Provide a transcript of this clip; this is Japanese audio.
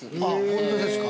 ◆本当ですか。